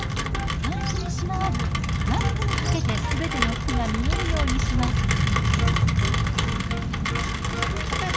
タンスにしまわずラックにかけて全ての服が見えるようにします。